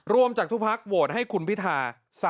รวมจากทุกพักโหวตให้คุณพิธา